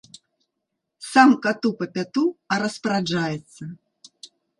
Сам кату па пяту, а распараджаецца.